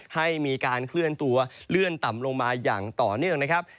ให้มีการเคลื่อนตัวเลื่อนต่ำลงมาอย่างต่อเนื่องนะครับ